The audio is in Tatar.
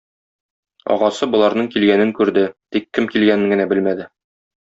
Агасы боларның килгәнен күрде, тик кем килгәнен генә белмәде.